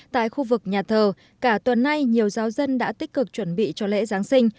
tại khu vực nhà thờ cả tuần nay nhiều giáo dân đã tích cực chuẩn bị cho lễ giáng sinh